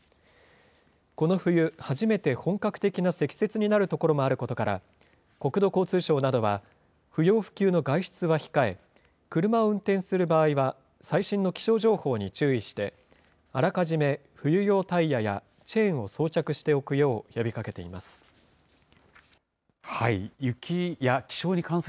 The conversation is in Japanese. この冬初めて本格的な積雪になる所もあることから、国土交通省などは、不要不急の外出は控え、車を運転する場合は最新の気象情報に注意して、あらかじめ冬用タイヤやチェーンを装着しておくよう呼びかけています。